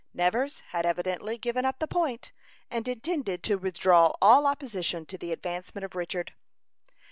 Nevers had evidently given up the point, and intended to withdraw all opposition to the advancement of Richard.